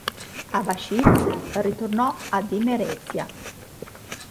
Abashidze ritornò ad Imerezia.